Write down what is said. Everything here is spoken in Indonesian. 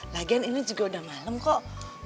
lagian ini juga udah malam kok